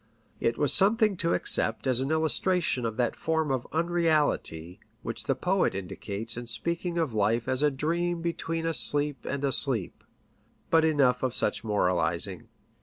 It was some thing to accept as an illustration of that form of unreality, which the poet indicates in speaking of life as a dream between a sleep and a sleep. But enough of such moralizing.